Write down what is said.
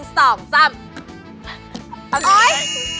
สัดไปอย่าให้เสีย